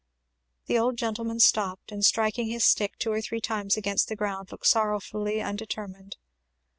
The old gentleman stopped, and striking his stick two or three times against the ground looked sorrowfully undetermined.